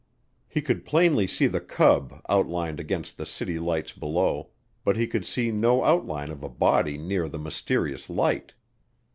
He could plainly see the Cub outlined against the city lights below, but he could see no outline of a body near the mysterious light.